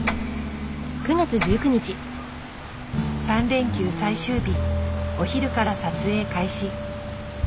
３連休最終日お昼から撮影開始。